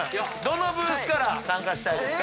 どのブースから参加したい？